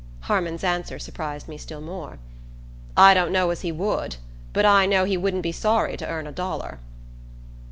Harmon's answer surprised me still more. "I don't know as he would; but I know he wouldn't be sorry to earn a dollar."